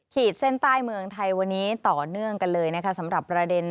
ขีดเส้นใต้เมืองไทยวันนี้ต่อเนื่องกันเลยนะคะสำหรับประเด็น